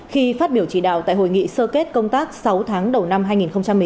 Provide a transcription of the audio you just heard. khi phát biểu chỉ đạo tại hội nghị sơ kết công tác sáu tháng đầu năm hai nghìn một mươi chín